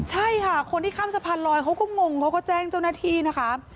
ใช่ค่ะคนที่ข้ามสะพานลอยเขาก็งงเขาก็แจ้งเจ้าหน้าที่นะคะ